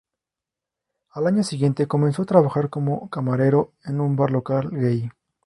Al año siguiente, comenzó a trabajar como camarero en un bar local gay.